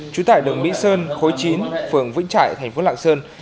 trú tại đường mỹ sơn khối chín phường vĩnh trải tp lạng sơn